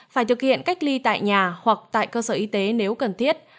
phải thực hiện cách ly tại nhà hoặc tại cơ sở y tế nếu cần thiết